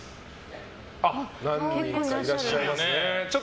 何人かいらっしゃいますね。